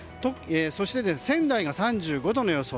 そして仙台が３５度の予想